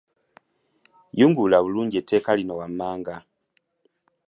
Yungulula bulungi etteeka lino wammanga.